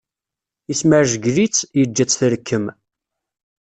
Yesmerjgel-itt, yeǧǧa-tt trekkem.